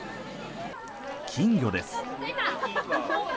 金魚です。